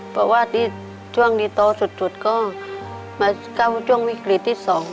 เพราะว่าที่ช่วงนี้โตสุดก็มาก้าวช่วงวิกฤตที่๒